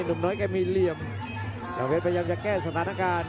มน้อยแกมีเหลี่ยมเจ้าเพชรพยายามจะแก้สถานการณ์